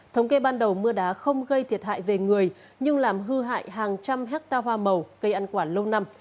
thống kê ban đầu mưa đá không gây thiệt hại về người nhưng làm hư hại hàng trăm hecta hoa màu cây ăn quả lâu năm